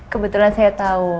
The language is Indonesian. kebetulan saya tau